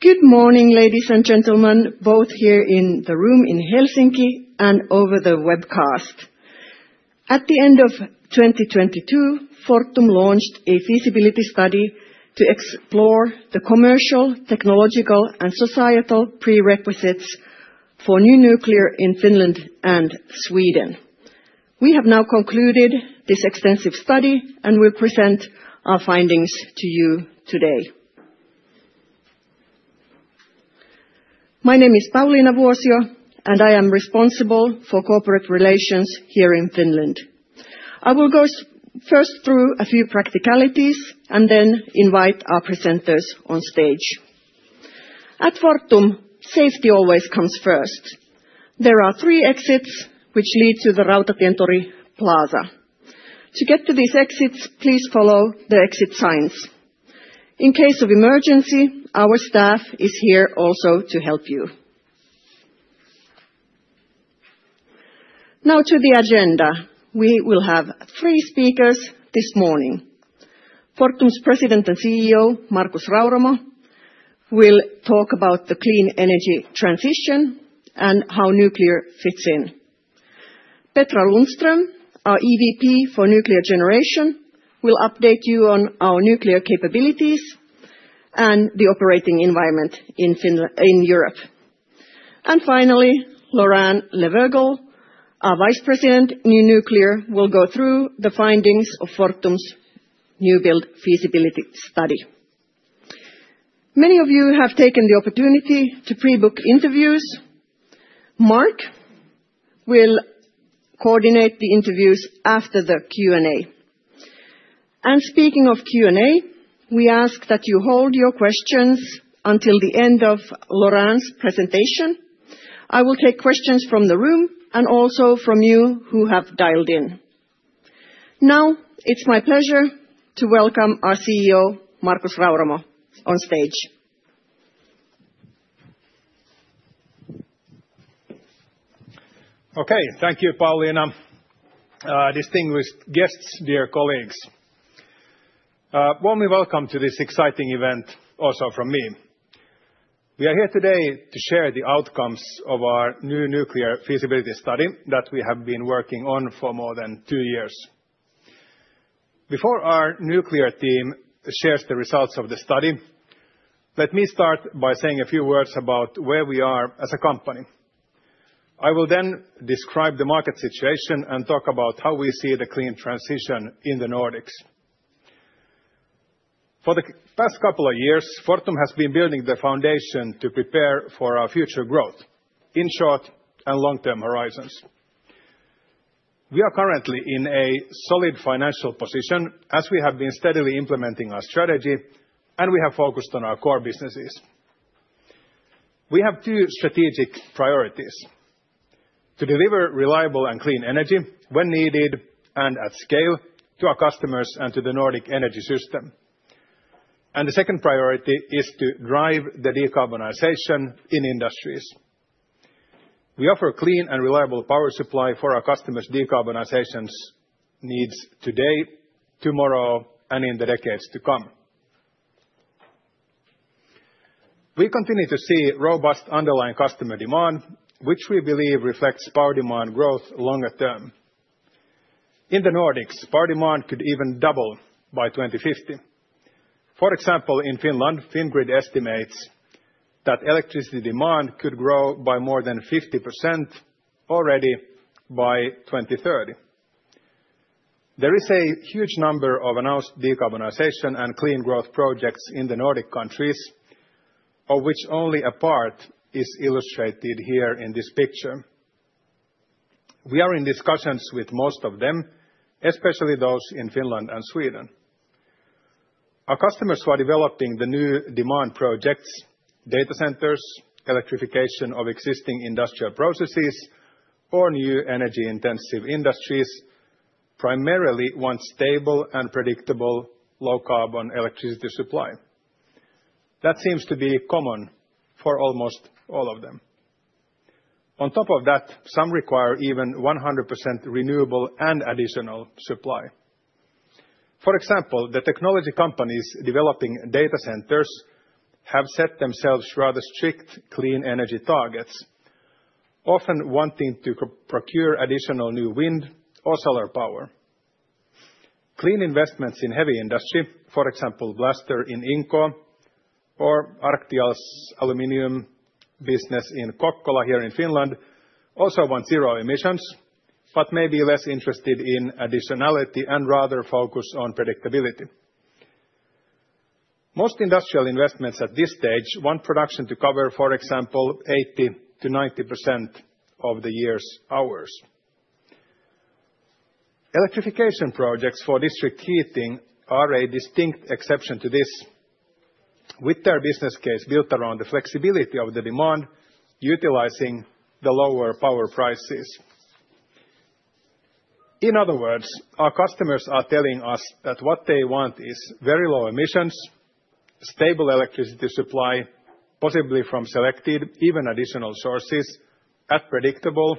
Good morning, ladies and gentlemen, both here in the room in Helsinki and over the webcast. At the end of 2022, Fortum launched a feasibility study to explore the commercial, technological, and societal prerequisites for new nuclear in Finland and Sweden. We have now concluded this extensive study and will present our findings to you today. My name is Pauliina Vuosio, and I am responsible for corporate relations here in Finland. I will go first through a few practicalities and then invite our presenters on stage. At Fortum, safety always comes first. There are three exits which lead to the Rautatientori Plaza. To get to these exits, please follow the exit signs. In case of emergency, our staff is here also to help you. Now to the agenda. We will have three speakers this morning. Fortum's President and CEO, Markus Rauramo, will talk about the clean energy transition and how nuclear fits in. Petra Lundström, our EVP for Nuclear Generation, will update you on our nuclear capabilities and the operating environment in Europe. And finally, Laurent Leveugle, our Vice President, New Nuclear, will go through the findings of Fortum's New Build Feasibility Study. Many of you have taken the opportunity to pre-book interviews. Mark will coordinate the interviews after the Q&A. And speaking of Q&A, we ask that you hold your questions until the end of Laurent's presentation. I will take questions from the room and also from you who have dialed in. Now, it's my pleasure to welcome our CEO, Markus Rauramo, on stage. Okay, thank you, Pauliina. Distinguished guests, dear colleagues. Warmly welcome to this exciting event also from me. We are here today to share the outcomes of our new nuclear feasibility study that we have been working on for more than two years. Before our nuclear team shares the results of the study, let me start by saying a few words about where we are as a company. I will then describe the market situation and talk about how we see the clean transition in the Nordics. For the past couple of years, Fortum has been building the foundation to prepare for our future growth, in short and long-term horizons. We are currently in a solid financial position as we have been steadily implementing our strategy, and we have focused on our core businesses. We have two strategic priorities: to deliver reliable and clean energy when needed and at scale to our customers and to the Nordic energy system, and the second priority is to drive the decarbonization in industries. We offer clean and reliable power supply for our customers' decarbonization needs today, tomorrow, and in the decades to come. We continue to see robust underlying customer demand, which we believe reflects power demand growth longer term. In the Nordics, power demand could even double by 2050. For example, in Finland, Fingrid estimates that electricity demand could grow by more than 50% already by 2030. There is a huge number of announced decarbonization and clean growth projects in the Nordic countries, of which only a part is illustrated here in this picture. We are in discussions with most of them, especially those in Finland and Sweden. Our customers who are developing the new demand projects, data centers, electrification of existing industrial processes, or new energy-intensive industries primarily want stable and predictable low-carbon electricity supply. That seems to be common for almost all of them. On top of that, some require even 100% renewable and additional supply. For example, the technology companies developing data centers have set themselves rather strict clean energy targets, often wanting to procure additional new wind or solar power. Clean investments in heavy industry, for example, Blastr in Inkoo or Arctic Aluminium business in Kokkola here in Finland, also want zero emissions but may be less interested in additionality and rather focus on predictability. Most industrial investments at this stage want production to cover, for example, 80%-90% of the year's hours. Electrification projects for district heating are a distinct exception to this, with their business case built around the flexibility of the demand, utilizing the lower power prices. In other words, our customers are telling us that what they want is very low emissions, stable electricity supply, possibly from selected, even additional sources at predictable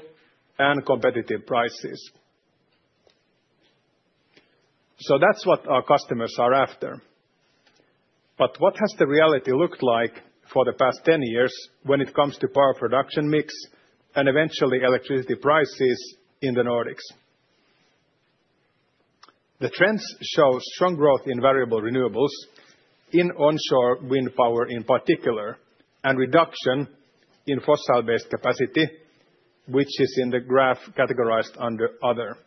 and competitive prices. So that's what our customers are after. But what has the reality looked like for the past 10 years when it comes to power production mix and eventually electricity prices in the Nordics? The trends show strong growth in variable renewables, in onshore wind power in particular, and reduction in fossil-based capacity, which is in the graph categorized under other.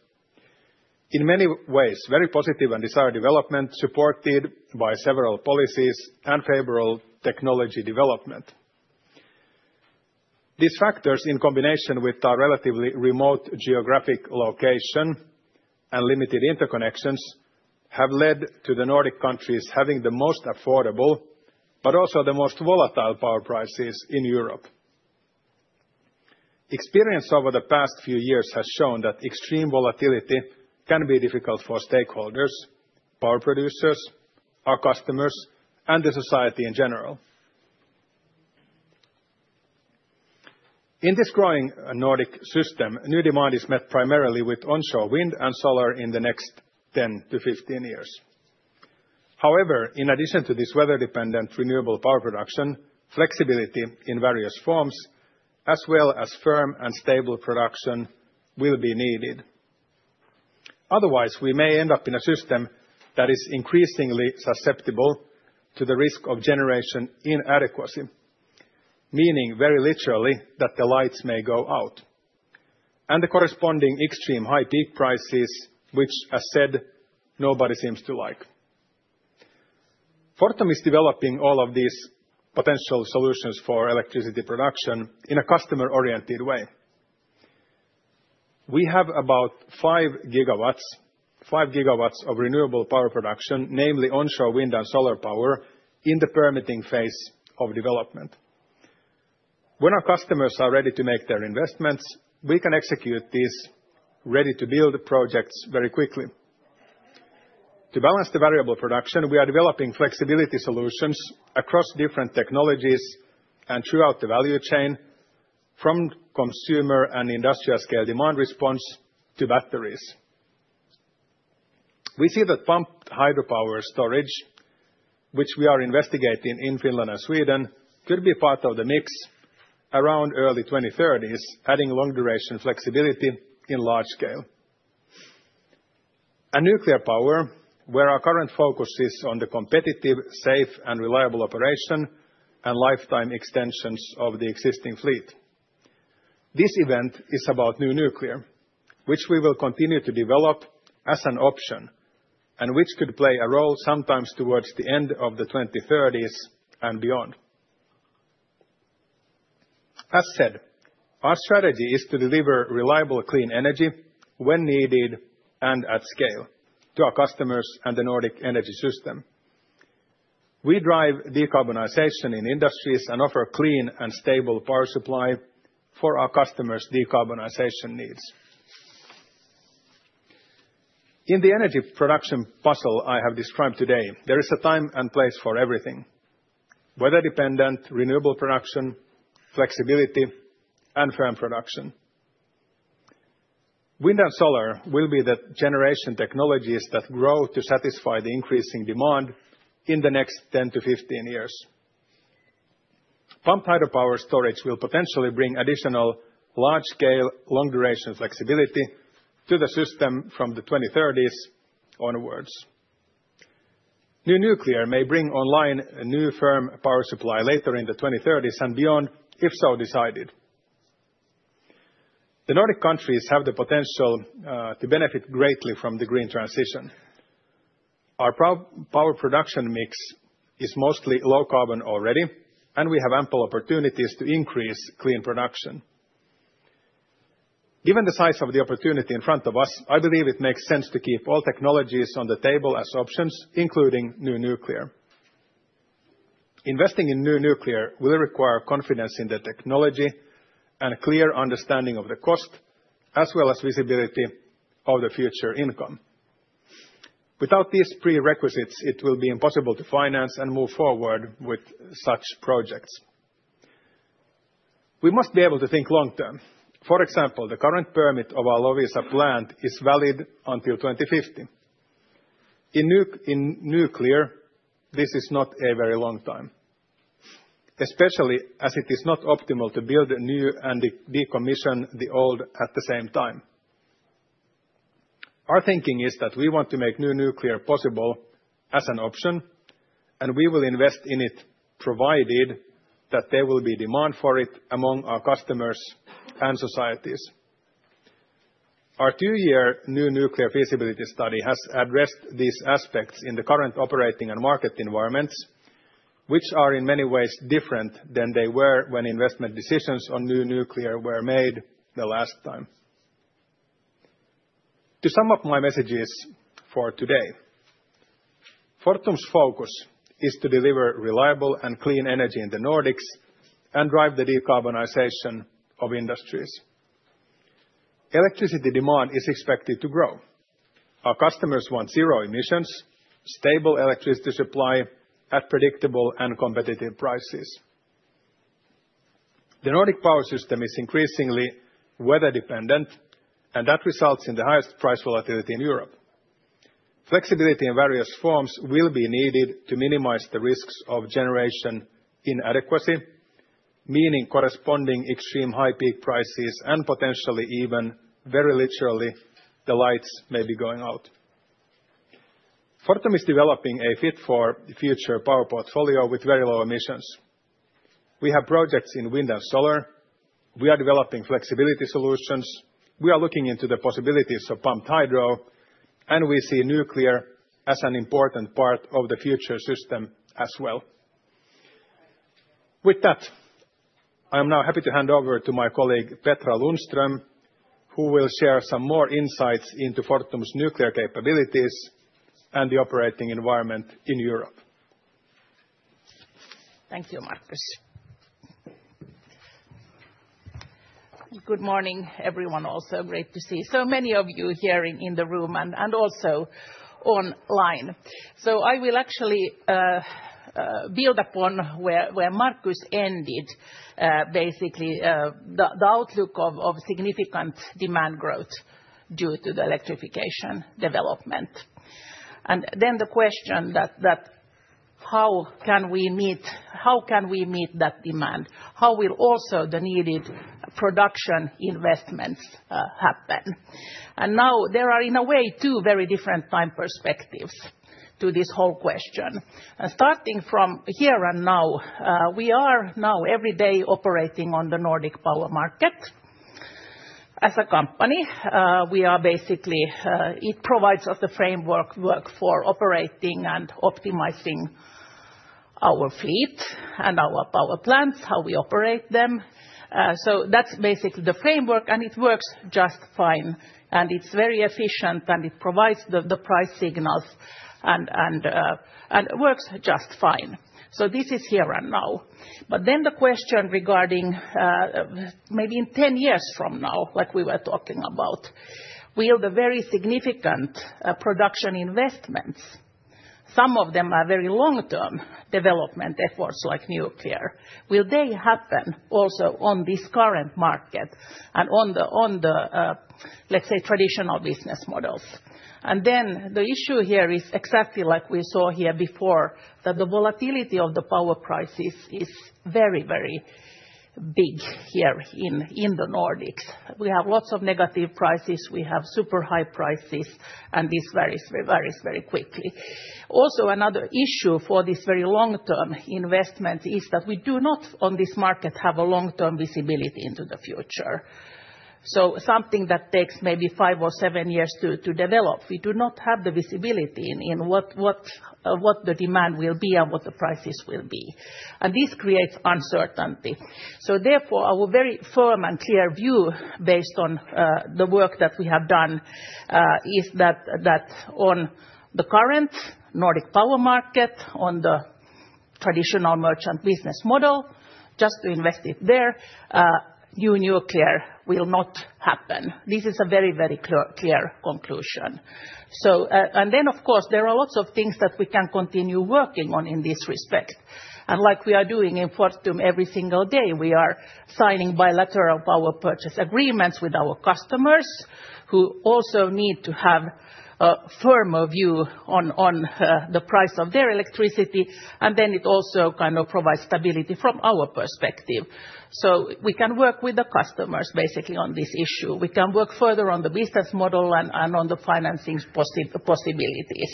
In many ways, very positive and desired development supported by several policies and favorable technology development. These factors, in combination with our relatively remote geographic location and limited interconnections, have led to the Nordic countries having the most affordable but also the most volatile power prices in Europe. Experience over the past few years has shown that extreme volatility can be difficult for stakeholders, power producers, our customers, and the society in general. In this growing Nordic system, new demand is met primarily with onshore wind and solar in the next 10-15 years. However, in addition to this weather-dependent renewable power production, flexibility in various forms, as well as firm and stable production, will be needed. Otherwise, we may end up in a system that is increasingly susceptible to the risk of generation inadequacy, meaning very literally that the lights may go out and the corresponding extreme high peak prices, which, as said, nobody seems to like. Fortum is developing all of these potential solutions for electricity production in a customer-oriented way. We have about 5 GW of renewable power production, namely onshore wind and solar power, in the permitting phase of development. When our customers are ready to make their investments, we can execute these ready-to-build projects very quickly. To balance the variable production, we are developing flexibility solutions across different technologies and throughout the value chain, from consumer and industrial scale demand response to batteries. We see that pumped hydropower storage, which we are investigating in Finland and Sweden, could be part of the mix around early 2030s, adding long-duration flexibility in large scale, and nuclear power, where our current focus is on the competitive, safe, and reliable operation and lifetime extensions of the existing fleet. This event is about new nuclear, which we will continue to develop as an option and which could play a role sometimes towards the end of the 2030s and beyond. As said, our strategy is to deliver reliable clean energy when needed and at scale to our customers and the Nordic energy system. We drive decarbonization in industries and offer clean and stable power supply for our customers' decarbonization needs. In the energy production puzzle I have described today, there is a time and place for everything: weather-dependent renewable production, flexibility, and firm production. Wind and solar will be the generation technologies that grow to satisfy the increasing demand in the next 10-15 years. Pumped hydropower storage will potentially bring additional large-scale long-duration flexibility to the system from the 2030s onwards. New nuclear may bring online a new firm power supply later in the 2030s and beyond if so decided. The Nordic countries have the potential to benefit greatly from the green transition. Our power production mix is mostly low carbon already, and we have ample opportunities to increase clean production. Given the size of the opportunity in front of us, I believe it makes sense to keep all technologies on the table as options, including new nuclear. Investing in new nuclear will require confidence in the technology and a clear understanding of the cost, as well as visibility of the future income. Without these prerequisites, it will be impossible to finance and move forward with such projects. We must be able to think long term. For example, the current permit of our Loviisa plant is valid until 2050. In nuclear, this is not a very long time, especially as it is not optimal to build new and decommission the old at the same time. Our thinking is that we want to make new nuclear possible as an option, and we will invest in it provided that there will be demand for it among our customers and societies. Our two-year new nuclear feasibility study has addressed these aspects in the current operating and market environments, which are in many ways different than they were when investment decisions on new nuclear were made the last time. To sum up my messages for today, Fortum's focus is to deliver reliable and clean energy in the Nordics and drive the decarbonization of industries. Electricity demand is expected to grow. Our customers want zero emissions, stable electricity supply at predictable and competitive prices. The Nordic power system is increasingly weather-dependent, and that results in the highest price volatility in Europe. Flexibility in various forms will be needed to minimize the risks of generation inadequacy, meaning corresponding extreme high peak prices and potentially even very literally the lights may be going out. Fortum is developing a fit-for-the-future power portfolio with very low emissions. We have projects in wind and solar. We are developing flexibility solutions. We are looking into the possibilities of pumped hydro, and we see nuclear as an important part of the future system as well. With that, I am now happy to hand over to my colleague Petra Lundström, who will share some more insights into Fortum's nuclear capabilities and the operating environment in Europe. Thank you, Markus. Good morning, everyone. Also great to see so many of you here in the room and also online. So I will actually build upon where Markus ended, basically the outlook of significant demand growth due to the electrification development. And then the question that how can we meet that demand? How will also the needed production investments happen? And now there are, in a way, two very different time perspectives to this whole question. Starting from here and now, we are now every day operating on the Nordic power market. As a company, we are basically it provides us the framework for operating and optimizing our fleet and our power plants, how we operate them. So that's basically the framework, and it works just fine, and it's very efficient, and it provides the price signals and works just fine. So this is here and now. But then the question regarding maybe in 10 years from now, like we were talking about, will the very significant production investments, some of them are very long-term development efforts like nuclear, will they happen also on this current market and on the, let's say, traditional business models? And then the issue here is exactly like we saw here before, that the volatility of the power prices is very, very big here in the Nordics. We have lots of negative prices. We have super high prices, and this varies very quickly. Also, another issue for this very long-term investment is that we do not, on this market, have a long-term visibility into the future. So something that takes maybe five or seven years to develop, we do not have the visibility in what the demand will be and what the prices will be. And this creates uncertainty. So therefore, our very firm and clear view, based on the work that we have done, is that on the current Nordic power market, on the traditional merchant business model, just to invest it there, new nuclear will not happen. This is a very, very clear conclusion. And then, of course, there are lots of things that we can continue working on in this respect. And like we are doing in Fortum every single day, we are signing bilateral power purchase agreements with our customers, who also need to have a firmer view on the price of their electricity. And then it also kind of provides stability from our perspective. So we can work with the customers basically on this issue. We can work further on the business model and on the financing possibilities.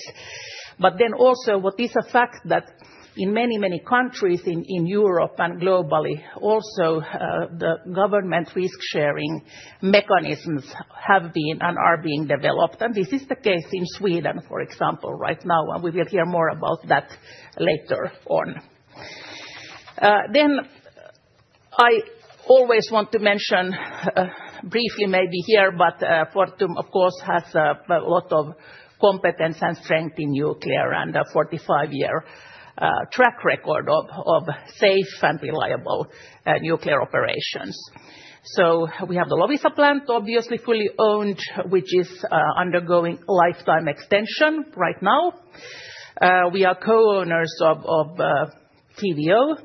But then also, what is a fact that in many, many countries in Europe and globally, also the government risk-sharing mechanisms have been and are being developed. And this is the case in Sweden, for example, right now, and we will hear more about that later on. Then I always want to mention briefly maybe here, but Fortum, of course, has a lot of competence and strength in nuclear and a 45-year track record of safe and reliable nuclear operations. So we have the Loviisa plant, obviously fully owned, which is undergoing lifetime extension right now. We are co-owners of TVO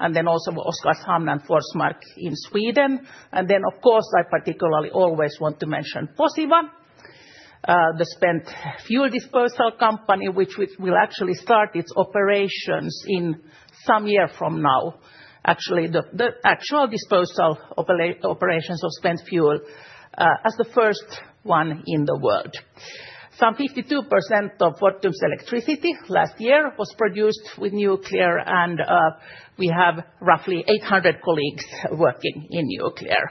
and then also Oskarshamn and Forsmark in Sweden. And then, of course, I particularly always want to mention Posiva, the spent fuel disposal company, which will actually start its operations in some year from now. Actually, the actual disposal operations of spent fuel as the first one in the world. Some 52% of Fortum's electricity last year was produced with nuclear, and we have roughly 800 colleagues working in nuclear.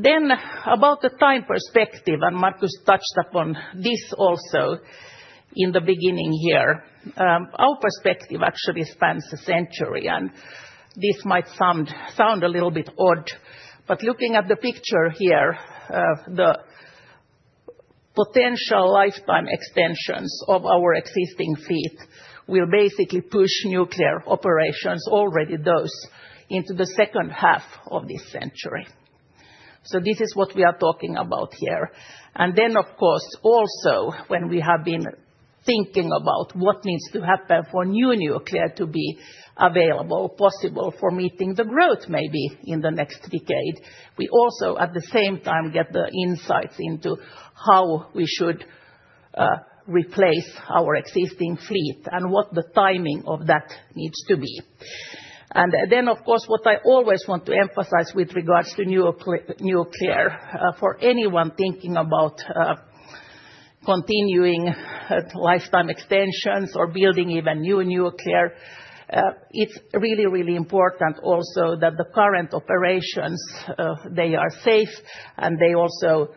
Then about the time perspective, and Markus touched upon this also in the beginning here, our perspective actually spans a century. And this might sound a little bit odd, but looking at the picture here, the potential lifetime extensions of our existing fleet will basically push nuclear operations, already those, into the second half of this century. So this is what we are talking about here. And then, of course, also when we have been thinking about what needs to happen for new nuclear to be available, possible for meeting the growth maybe in the next decade, we also at the same time get the insights into how we should replace our existing fleet and what the timing of that needs to be. And then, of course, what I always want to emphasize with regards to nuclear, for anyone thinking about continuing lifetime extensions or building even new nuclear, it's really, really important also that the current operations, they are safe and they also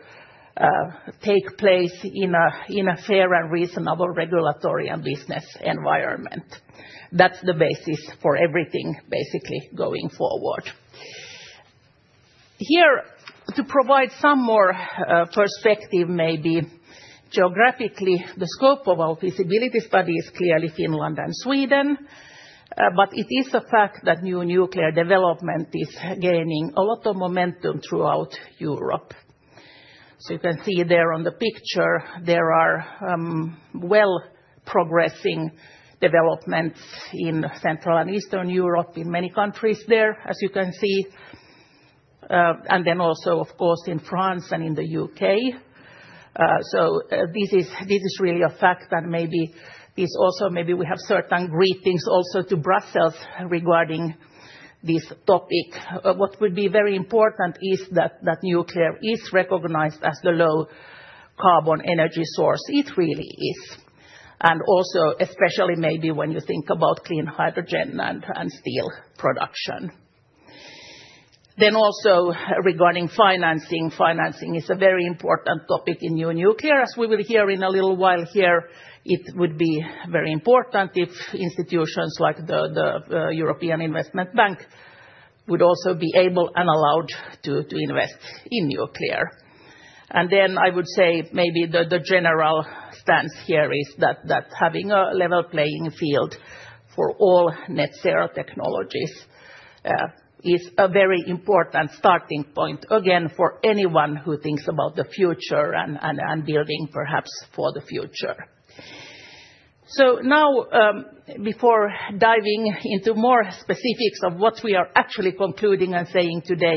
take place in a fair and reasonable regulatory and business environment. That's the basis for everything basically going forward. Here, to provide some more perspective maybe geographically, the scope of our feasibility study is clearly Finland and Sweden, but it is a fact that new nuclear development is gaining a lot of momentum throughout Europe. So you can see there on the picture, there are well-progressing developments in Central and Eastern Europe, in many countries there, as you can see. And then also, of course, in France and in the U.K. So this is really a fact that maybe this also maybe we have certain greetings also to Brussels regarding this topic. What would be very important is that nuclear is recognized as the low carbon energy source. It really is. And also, especially maybe when you think about clean hydrogen and steel production. Then also regarding financing, financing is a very important topic in new nuclear, as we will hear in a little while here. It would be very important if institutions like the European Investment Bank would also be able and allowed to invest in nuclear. And then I would say maybe the general stance here is that having a level playing field for all net zero technologies is a very important starting point, again, for anyone who thinks about the future and building perhaps for the future. So now, before diving into more specifics of what we are actually concluding and saying today,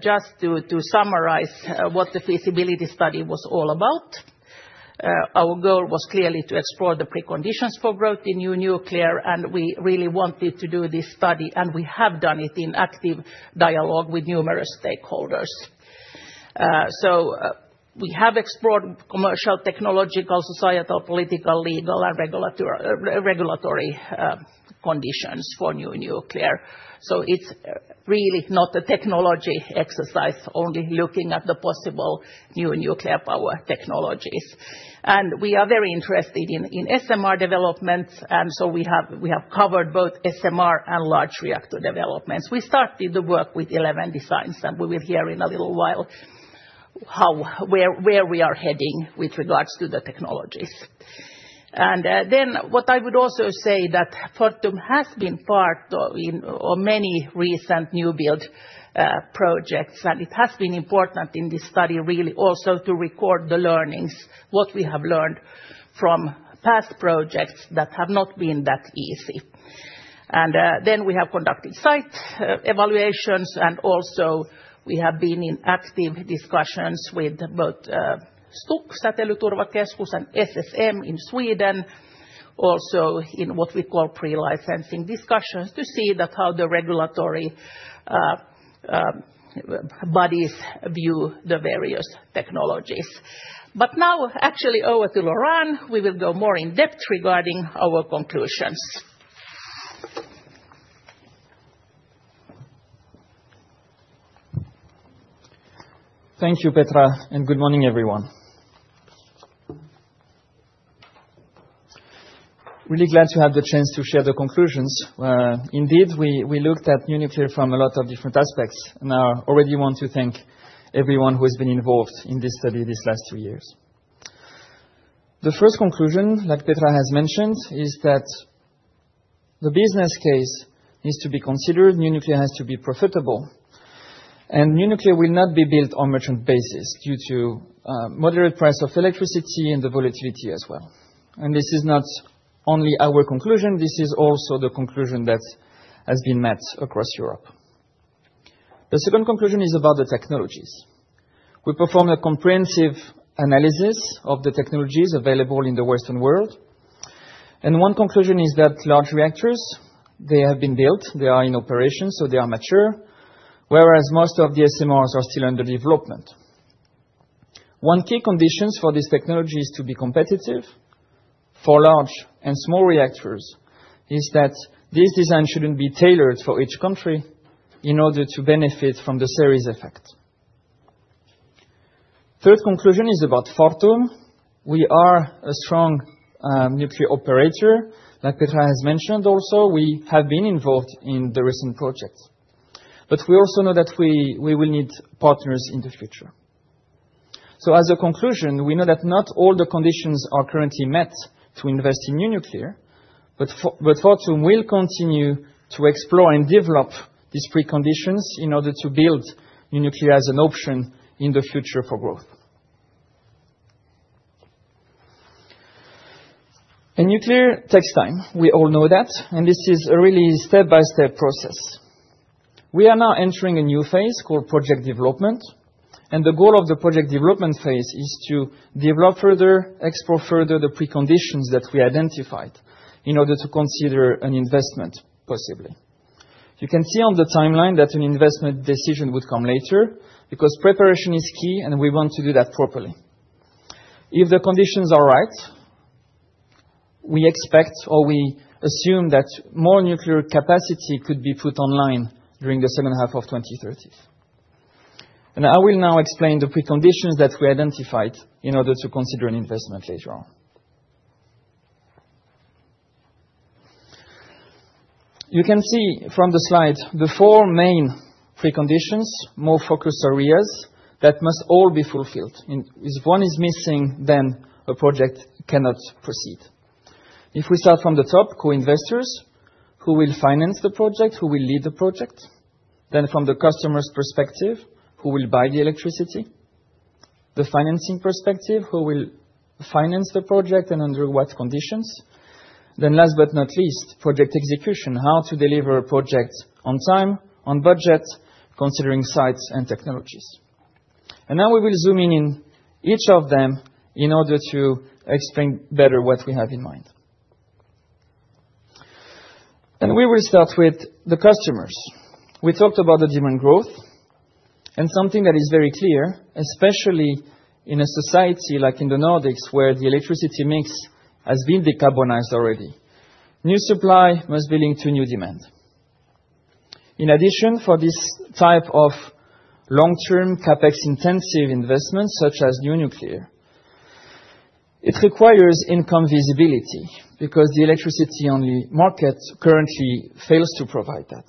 just to summarize what the feasibility study was all about, our goal was clearly to explore the preconditions for growth in new nuclear, and we really wanted to do this study, and we have done it in active dialogue with numerous stakeholders. So we have explored commercial, technological, societal, political, legal, and regulatory conditions for new nuclear. So it's really not a technology exercise, only looking at the possible new nuclear power technologies. And we are very interested in SMR developments, and so we have covered both SMR and large reactor developments. We started the work with 11 designs, and we will hear in a little while where we are heading with regards to the technologies. And then what I would also say that Fortum has been part of many recent new build projects, and it has been important in this study really also to record the learnings, what we have learned from past projects that have not been that easy. And then we have conducted site evaluations, and also we have been in active discussions with both STUK, Säteilyturvakeskus and SSM in Sweden, also in what we call pre-licensing discussions to see how the regulatory bodies view the various technologies. But now, actually over to Laurent, we will go more in depth regarding our conclusions. Thank you, Petra, and good morning, everyone. Really glad to have the chance to share the conclusions. Indeed, we looked at new nuclear from a lot of different aspects, and I already want to thank everyone who has been involved in this study these last two years. The first conclusion, like Petra has mentioned, is that the business case needs to be considered. New nuclear has to be profitable, and new nuclear will not be built on merchant basis due to the moderate price of electricity and the volatility as well. And this is not only our conclusion. This is also the conclusion that has been met across Europe. The second conclusion is about the technologies. We performed a comprehensive analysis of the technologies available in the Western world. One conclusion is that large reactors, they have been built, they are in operation, so they are mature, whereas most of the SMRs are still under development. One key condition for this technology is to be competitive for large and small reactors. It is that these designs shouldn't be tailored for each country in order to benefit from the series effect. The third conclusion is about Fortum. We are a strong nuclear operator, like Petra has mentioned also. We have been involved in the recent projects, but we also know that we will need partners in the future. As a conclusion, we know that not all the conditions are currently met to invest in new nuclear, but Fortum will continue to explore and develop these preconditions in order to build new nuclear as an option in the future for growth. Nuclear takes time. We all know that, and this is a really step-by-step process. We are now entering a new phase called project development, and the goal of the project development phase is to develop further, explore further the preconditions that we identified in order to consider an investment, possibly. You can see on the timeline that an investment decision would come later because preparation is key, and we want to do that properly. If the conditions are right, we expect or we assume that more nuclear capacity could be put online during the second half of 2030. And I will now explain the preconditions that we identified in order to consider an investment later on. You can see from the slide the four main preconditions, more focused areas that must all be fulfilled. If one is missing, then a project cannot proceed. If we start from the top, co-investors, who will finance the project, who will lead the project, then from the customer's perspective, who will buy the electricity, the financing perspective, who will finance the project and under what conditions. Then, last but not least, project execution, how to deliver a project on time, on budget, considering sites and technologies. And now we will zoom in on each of them in order to explain better what we have in mind. And we will start with the customers. We talked about the demand growth, and something that is very clear, especially in a society like in the Nordics where the electricity mix has been decarbonized already, new supply must be linked to new demand. In addition, for this type of long-term CapEx-intensive investment, such as new nuclear, it requires income visibility because the electricity-only market currently fails to provide that.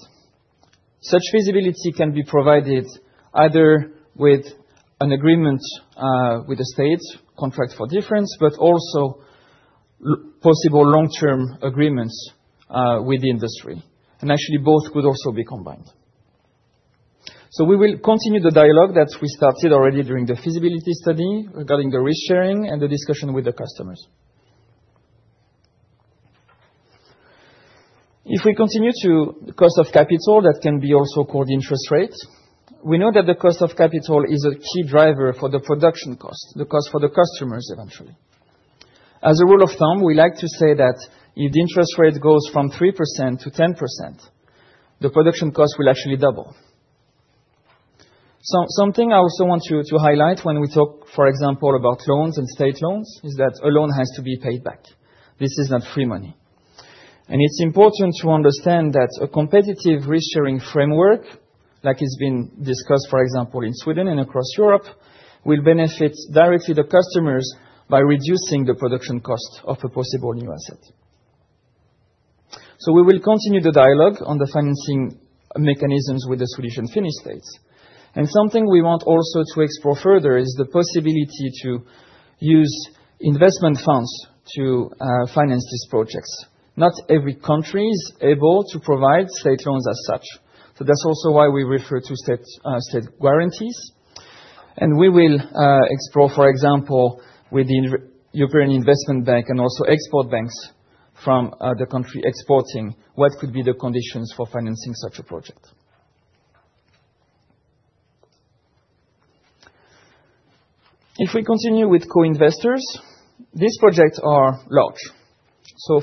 Such visibility can be provided either with an agreement with the state, contract for difference, but also possible long-term agreements with the industry. Actually, both could also be combined. We will continue the dialogue that we started already during the feasibility study regarding the risk-sharing and the discussion with the customers. If we continue to the cost of capital, that can be also called interest rate. We know that the cost of capital is a key driver for the production cost, the cost for the customers eventually. As a rule of thumb, we like to say that if the interest rate goes from 3%-10%, the production cost will actually double. Something I also want to highlight when we talk, for example, about loans and state loans is that a loan has to be paid back. This is not free money. It's important to understand that a competitive risk-sharing framework, like it's been discussed, for example, in Sweden and across Europe, will benefit directly the customers by reducing the production cost of a possible new asset. We will continue the dialogue on the financing mechanisms with the Swedish and Finnish states. Something we want also to explore further is the possibility to use investment funds to finance these projects. Not every country is able to provide state loans as such. That's also why we refer to state guarantees. We will explore, for example, with the European Investment Bank and also export banks from the country exporting, what could be the conditions for financing such a project. If we continue with co-investors, these projects are large.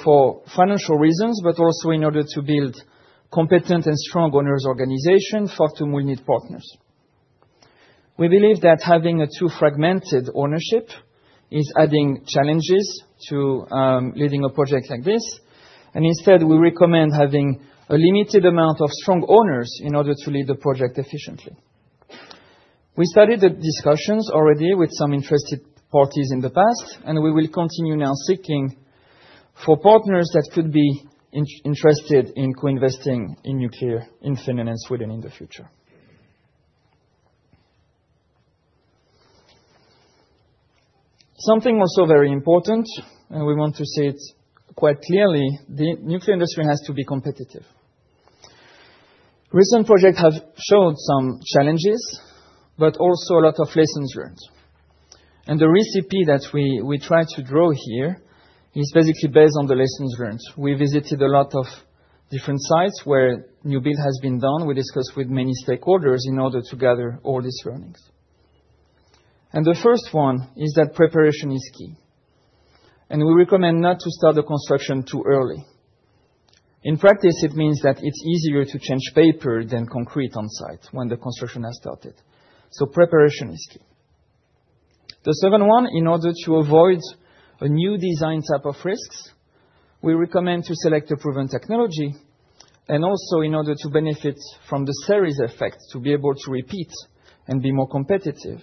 For financial reasons, but also in order to build competent and strong owners' organization, Fortum will need partners. We believe that having a too fragmented ownership is adding challenges to leading a project like this, and instead, we recommend having a limited amount of strong owners in order to lead the project efficiently. We started the discussions already with some interested parties in the past, and we will continue now seeking for partners that could be interested in co-investing in nuclear in Finland and Sweden in the future. Something also very important, and we want to say it quite clearly, the nuclear industry has to be competitive. Recent projects have showed some challenges, but also a lot of lessons learned, and the recipe that we try to draw here is basically based on the lessons learned. We visited a lot of different sites where new build has been done. We discussed with many stakeholders in order to gather all these learnings. The first one is that preparation is key. We recommend not to start the construction too early. In practice, it means that it's easier to change paper than concrete on site when the construction has started. Preparation. The second one, in order to avoid a new design type of risks, we recommend to select a proven technology. Also, in order to benefit from the series effect, to be able to repeat and be more competitive,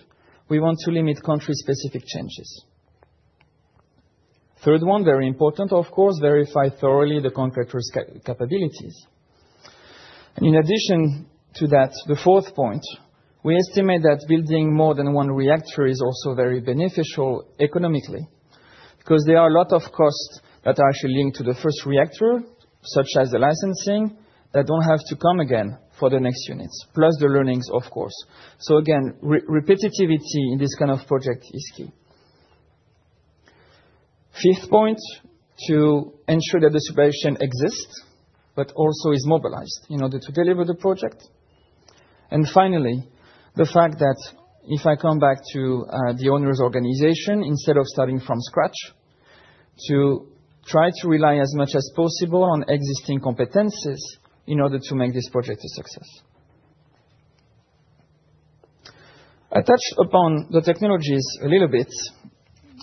we want to limit country-specific changes. Third one, very important, of course, verify thoroughly the contractor's capabilities. And in addition to that, the fourth point, we estimate that building more than one reactor is also very beneficial economically because there are a lot of costs that are actually linked to the first reactor, such as the licensing, that don't have to come again for the next units, plus the learnings, of course. So again, repetitivity in this kind of project is key. Fifth point, to ensure that the supply chain exists, but also is mobilized in order to deliver the project. And finally, the fact that if I come back to the owners' organization, instead of starting from scratch, to try to rely as much as possible on existing competencies in order to make this project a success. I touched upon the technologies a little bit,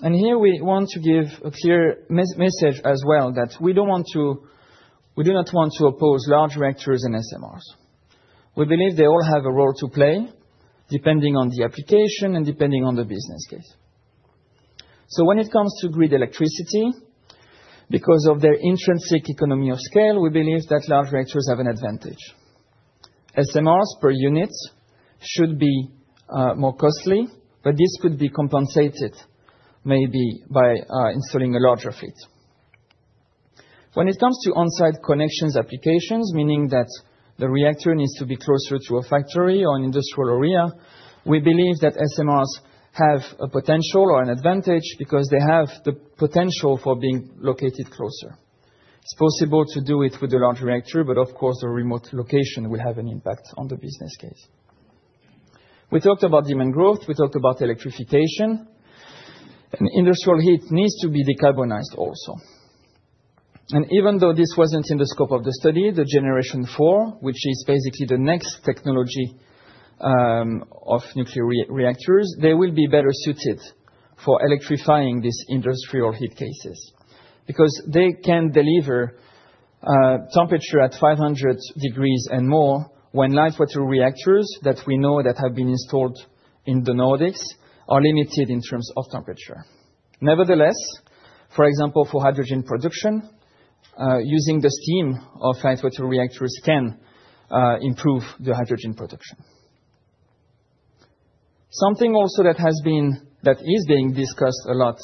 and here we want to give a clear message as well that we don't want to, we do not want to oppose large reactors and SMRs. We believe they all have a role to play, depending on the application and depending on the business case. So when it comes to grid electricity, because of their intrinsic economy of scale, we believe that large reactors have an advantage. SMRs per unit should be more costly, but this could be compensated maybe by installing a larger fleet. When it comes to on-site connections applications, meaning that the reactor needs to be closer to a factory or an industrial area, we believe that SMRs have a potential or an advantage because they have the potential for being located closer. It's possible to do it with a large reactor, but of course, a remote location will have an impact on the business case. We talked about demand growth, we talked about electrification, and industrial heat needs to be decarbonized also. And even though this wasn't in the scope of the study, the Generation IV, which is basically the next technology of nuclear reactors, they will be better suited for electrifying these industrial heat cases because they can deliver temperature at 500 degrees and more when light water reactors that we know have been installed in the Nordics are limited in terms of temperature. Nevertheless, for example, for hydrogen production, using the steam of light water reactors can improve the hydrogen production. Something also that is being discussed a lot,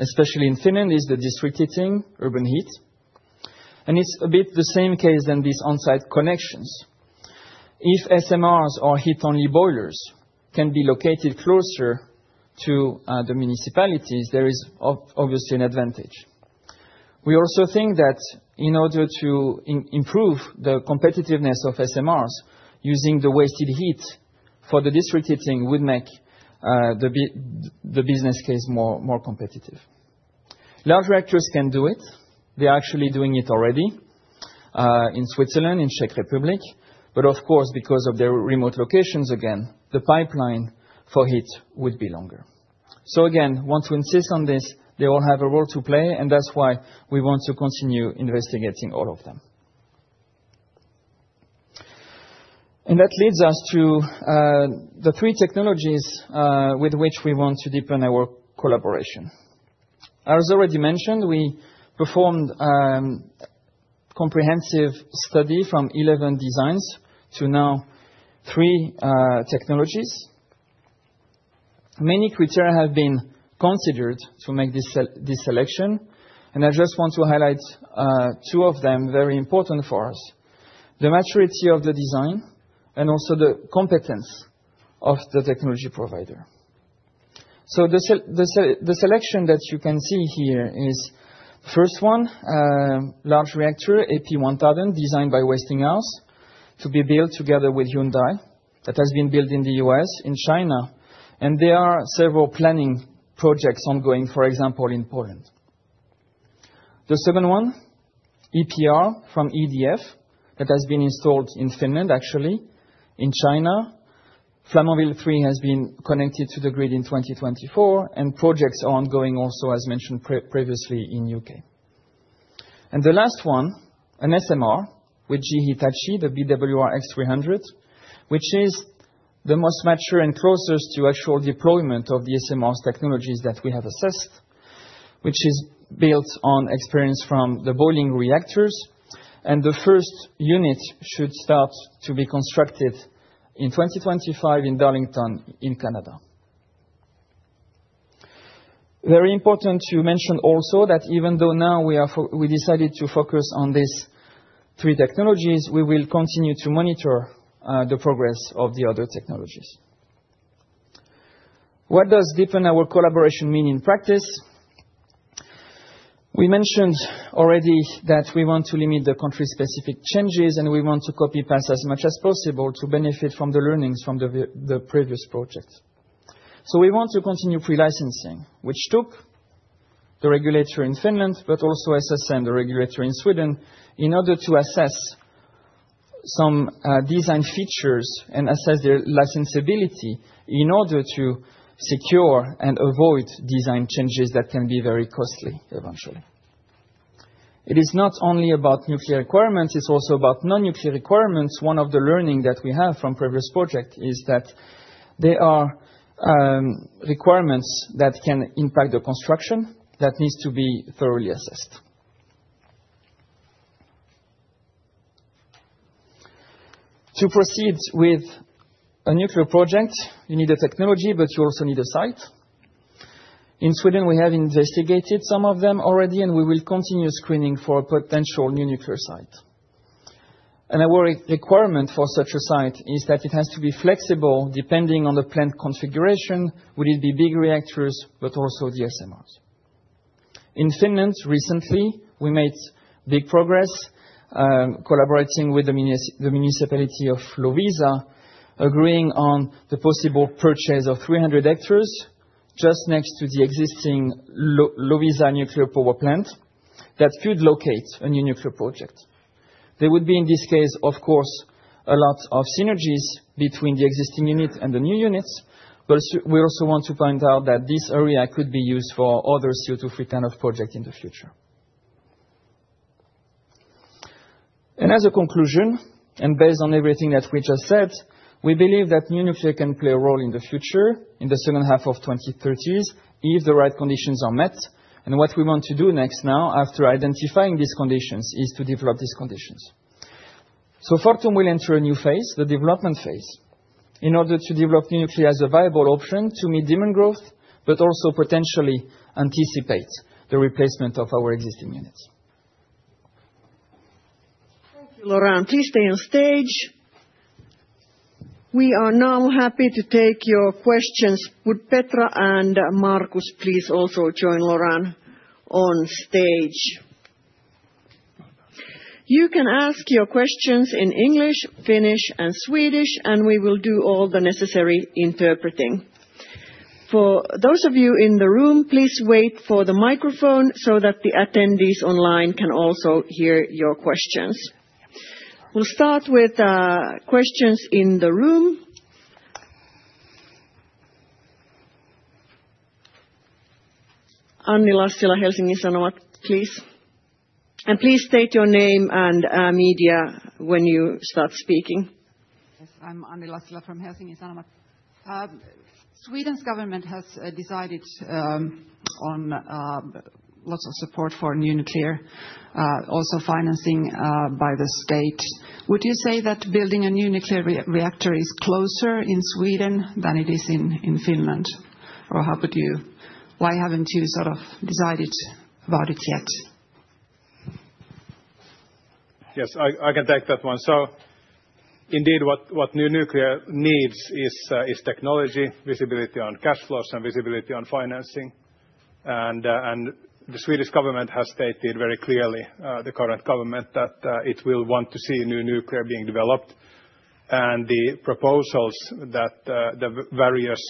especially in Finland, is the district heating, urban heat. And it's a bit the same case as these on-site connections. If SMRs or heat-only boilers can be located closer to the municipalities, there is obviously an advantage. We also think that in order to improve the competitiveness of SMRs, using the waste heat for the district heating would make the business case more competitive. Large reactors can do it. They are actually doing it already in Switzerland, in the Czech Republic, but of course, because of their remote locations, again, the pipeline for heat would be longer. So again, I want to insist on this. They all have a role to play, and that's why we want to continue investigating all of them. And that leads us to the three technologies with which we want to deepen our collaboration. As already mentioned, we performed a comprehensive study from 11 designs to now three technologies. Many criteria have been considered to make this selection, and I just want to highlight two of them, very important for us: the maturity of the design and also the competence of the technology provider. So the selection that you can see here is the first one, large reactor AP1000, designed by Westinghouse to be built together with Hyundai, that has been built in the U.S., in China, and there are several planning projects ongoing, for example, in Poland. The second one, EPR from EDF, that has been installed in Finland, actually, in China. Flamanville 3 has been connected to the grid in 2024, and projects are ongoing also, as mentioned previously, in the U.K. The last one, an SMR with GE Hitachi, the BWRX-300, which is the most mature and closest to actual deployment of the SMRs technologies that we have assessed, which is built on experience from the boiling reactors. The first unit should start to be constructed in 2025 in Darlington, in Canada. Very important to mention also that even though now we decided to focus on these three technologies, we will continue to monitor the progress of the other technologies. What does deepening our collaboration mean in practice? We mentioned already that we want to limit the country-specific changes, and we want to copy past as much as possible to benefit from the learnings from the previous projects. We want to continue pre-licensing, which took the regulator in Finland, but also SSM, the regulator in Sweden, in order to assess some design features and assess their licensability in order to secure and avoid design changes that can be very costly eventually. It is not only about nuclear requirements, it's also about non-nuclear requirements. One of the learnings that we have from the previous project is that there are requirements that can impact the construction that needs to be thoroughly assessed. To proceed with a nuclear project, you need a technology, but you also need a site. In Sweden, we have investigated some of them already, and we will continue screening for a potential new nuclear site. Our requirement for such a site is that it has to be flexible depending on the plant configuration, whether it be big reactors, but also the SMRs. In Finland, recently, we made big progress collaborating with the municipality of Loviisa, agreeing on the possible purchase of 300 hectares just next to the existing Loviisa Nuclear Power Plant that could locate a new nuclear project. There would be, in this case, of course, a lot of synergies between the existing unit and the new units, but we also want to point out that this area could be used for other CO2-free kind of projects in the future, and as a conclusion, and based on everything that we just said, we believe that new nuclear can play a role in the future in the second half of the 2030s if the right conditions are met, and what we want to do next now, after identifying these conditions, is to develop these conditions. Fortum will enter a new phase, the development phase, in order to develop new nuclear as a viable option to meet demand growth, but also potentially anticipate the replacement of our existing units. Thank you, Laurent. Please stay on stage. We are now happy to take your questions. Would Petra and Markus please also join Laurent on stage? You can ask your questions in English, Finnish, and Swedish, and we will do all the necessary interpreting. For those of you in the room, please wait for the microphone so that the attendees online can also hear your questions. We'll start with questions in the room. Anni Lassila, Helsingin Sanomat, please. And please state your name and media when you start speaking. Yes, I'm Anni Lassila from Helsingin Sanomat. Sweden's government has decided on lots of support for new nuclear, also financing by the state. Would you say that building a new nuclear reactor is closer in Sweden than it is in Finland? Or how could you, why haven't you sort of decided about it yet? Yes, I can take that one, so indeed, what new nuclear needs is technology, visibility on cash flows, and visibility on financing, and the Swedish government has stated very clearly, the current government, that it will want to see new nuclear being developed, and the proposals that the various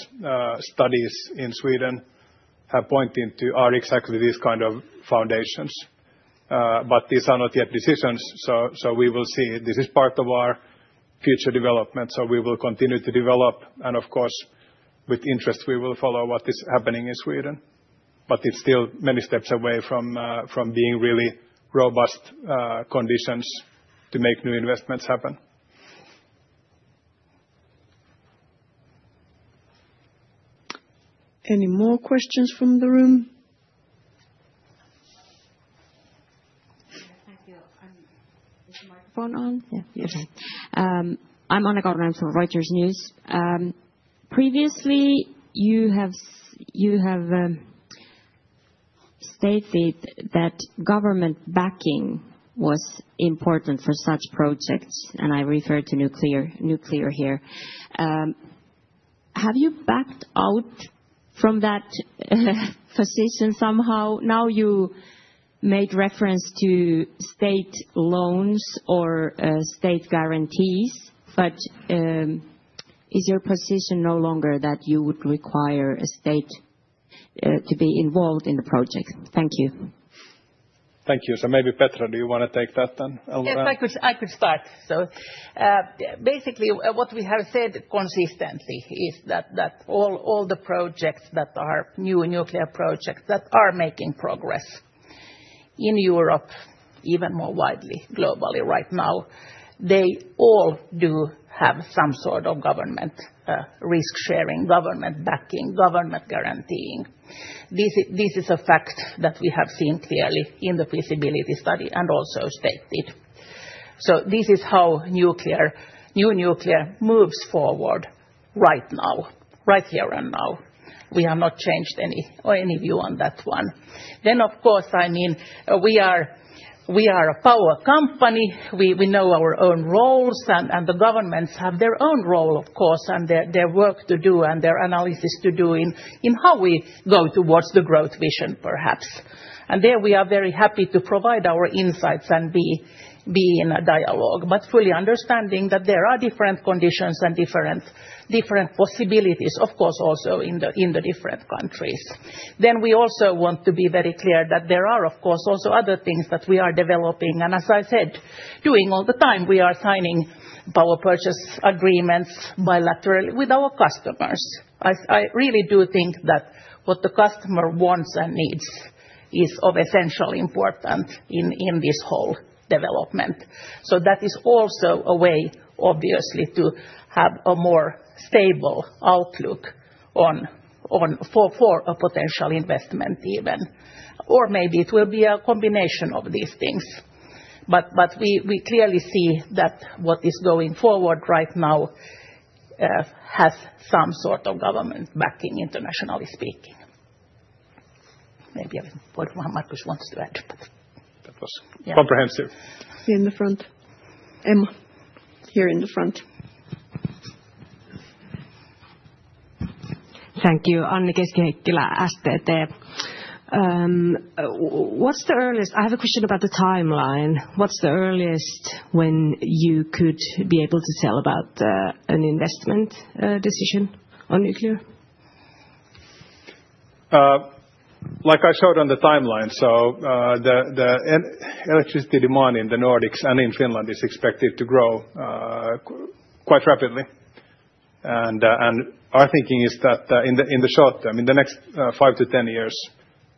studies in Sweden have pointed to are exactly these kind of foundations, but these are not yet decisions, so we will see. This is part of our future development, so we will continue to develop, and of course, with interest, we will follow what is happening in Sweden, but it's still many steps away from being really robust conditions to make new investments happen. Any more questions from the room? Thank you. Is the microphone on? Yeah, yes. I'm Anne Kauranen from Reuters. Previously, you have stated that government backing was important for such projects, and I refer to nuclear here. Have you backed out from that position somehow? Now you made reference to state loans or state guarantees, but is your position no longer that you would require a state to be involved in the project? Thank you. Thank you. So maybe Petra, do you want to take that then? Yes, I could start. So basically, what we have said consistently is that all the projects that are new nuclear projects that are making progress in Europe, even more widely, globally right now, they all do have some sort of government risk-sharing, government backing, government guaranteeing. This is a fact that we have seen clearly in the feasibility study and also stated. So this is how new nuclear moves forward right now, right here and now. We have not changed any view on that one. Then, of course, I mean, we are a power company. We know our own roles, and the governments have their own role, of course, and their work to do and their analysis to do in how we go towards the growth vision, perhaps. There we are very happy to provide our insights and be in a dialogue, but fully understanding that there are different conditions and different possibilities, of course, also in the different countries. We also want to be very clear that there are, of course, also other things that we are developing. As I said, doing all the time, we are signing power purchase agreements bilaterally with our customers. I really do think that what the customer wants and needs is of essential importance in this whole development. That is also a way, obviously, to have a more stable outlook for a potential investment even. Or maybe it will be a combination of these things. We clearly see that what is going forward right now has some sort of government backing, internationally speaking. Maybe Markus wants to add, but. That was comprehensive. In the front. Emma, here in the front. Thank you. Anni Keski-Heikkilä, STT. What's the earliest? I have a question about the timeline. What's the earliest when you could be able to tell about an investment decision on nuclear? Like I showed on the timeline, so the electricity demand in the Nordics and in Finland is expected to grow quite rapidly, and our thinking is that in the short term, in the next five to 10 years,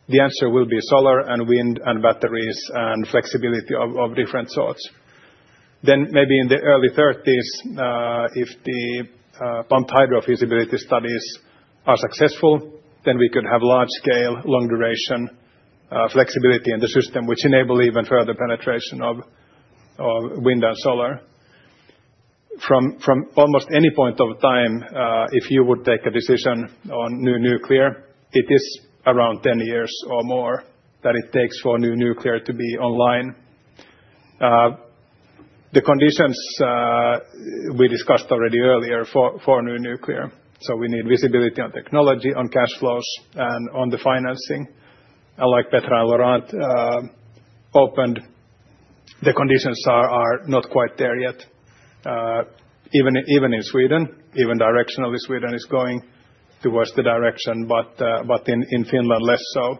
the answer will be solar and wind and batteries and flexibility of different sorts, then maybe in the early 30s, if the pumped hydro feasibility studies are successful, then we could have large-scale, long-duration flexibility in the system, which enables even further penetration of wind and solar. From almost any point of time, if you would take a decision on new nuclear, it is around 10 years or more that it takes for new nuclear to be online. The conditions we discussed already earlier for new nuclear, so we need visibility on technology, on cash flows, and on the financing. Like Petra and Laurent opened, the conditions are not quite there yet, even in Sweden. Even directionally, Sweden is going towards the direction, but in Finland less so,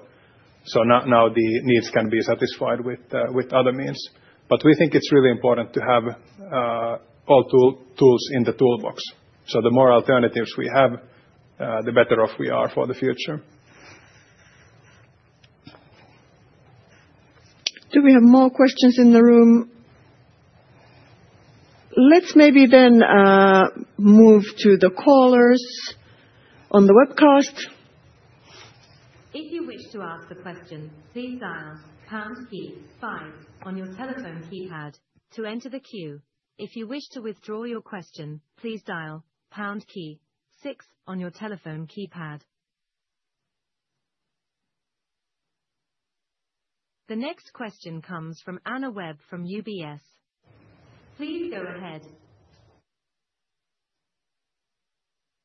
so now the needs can be satisfied with other means. But we think it's really important to have all tools in the toolbox, so the more alternatives we have, the better off we are for the future. Do we have more questions in the room? Let's maybe then move to the callers on the webcast. If you wish to ask a question, please dial pound key five on your telephone keypad to enter the queue. If you wish to withdraw your question, please dial pound key six on your telephone keypad. The next question comes from Anna Webb from UBS. Please go ahead.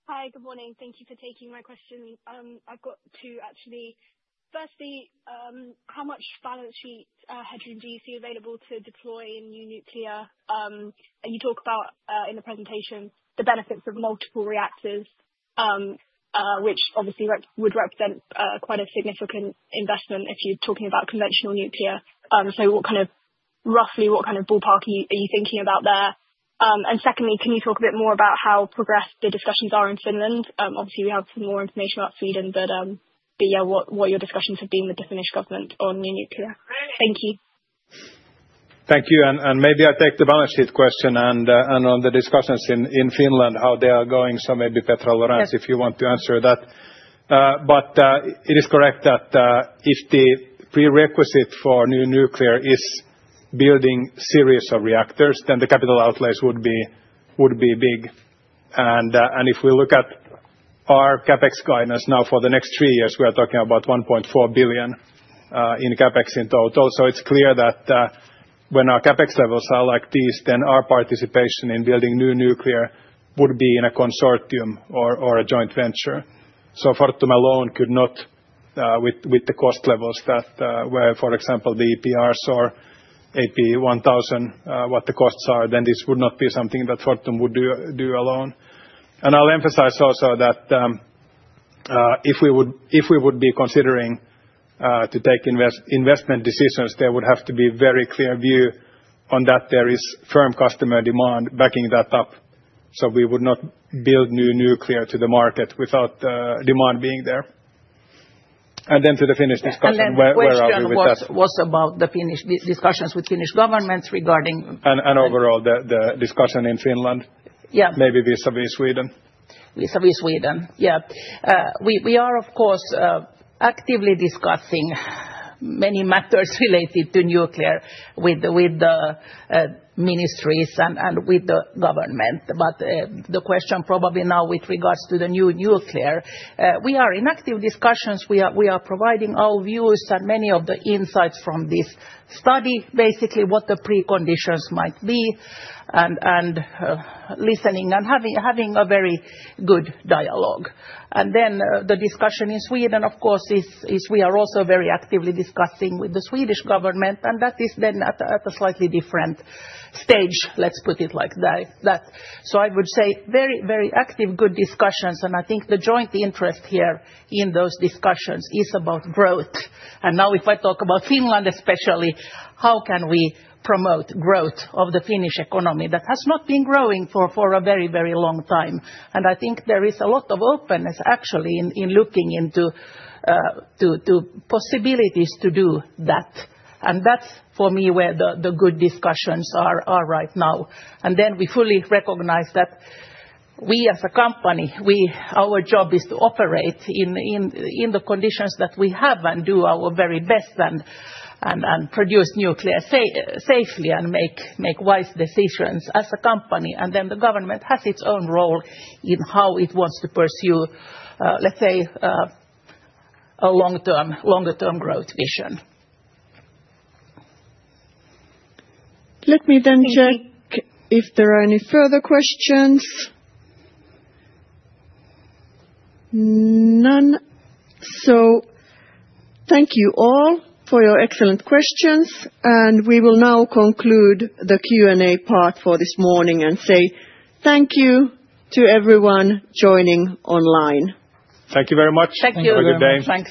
Hi, good morning. Thank you for taking my question. I've got two actually. Firstly, how much balance sheet do you see available to deploy in new nuclear? And you talk about in the presentation the benefits of multiple reactors, which obviously would represent quite a significant investment if you're talking about conventional nuclear. So roughly what kind of ballpark are you thinking about there? And secondly, can you talk a bit more about how progressed the discussions are in Finland? Obviously, we have some more information about Sweden, but yeah, what your discussions have been with the Finnish government on new nuclear? Thank you. Thank you. And maybe I take the balance sheet question and on the discussions in Finland, how they are going. So maybe Petra, Laurent, if you want to answer that. But it is correct that if the prerequisite for new nuclear is building a series of reactors, then the capital outlay would be big. And if we look at our CapEx guidance now for the next three years, we are talking about 1.4 billion in CapEx in total. So it's clear that when our CapEx levels are like these, then our participation in building new nuclear would be in a consortium or a joint venture. So Fortum alone could not, with the cost levels that were, for example, the EPRs or AP1000, what the costs are, then this would not be something that Fortum would do alone. And I'll emphasize also that if we would be considering to take investment decisions, there would have to be a very clear view on that there is firm customer demand backing that up. So we would not build new nuclear to the market without demand being there. And then to the Finnish discussion, where are we with that? That question was about the Finnish discussions with Finnish governments regarding. Overall the discussion in Finland, maybe vis-à-vis Sweden. Vis-à-vis Sweden, yeah. We are, of course, actively discussing many matters related to nuclear with the ministries and with the government. But the question probably now with regards to the new nuclear, we are in active discussions. We are providing our views and many of the insights from this study, basically what the preconditions might be, and listening and having a very good dialogue. And then the discussion in Sweden, of course, is we are also very actively discussing with the Swedish government, and that is then at a slightly different stage, let's put it like that. So I would say very, very active good discussions. And I think the joint interest here in those discussions is about growth. And now if I talk about Finland especially, how can we promote growth of the Finnish economy that has not been growing for a very, very long time? And I think there is a lot of openness actually in looking into possibilities to do that. And that's for me where the good discussions are right now. And then we fully recognize that we as a company, our job is to operate in the conditions that we have and do our very best and produce nuclear safely and make wise decisions as a company. And then the government has its own role in how it wants to pursue, let's say, a longer-term growth vision. Let me then check if there are any further questions. None. So thank you all for your excellent questions. And we will now conclude the Q&A part for this morning and say thank you to everyone joining online. Thank you very much. Thank you very much. Thank you very much.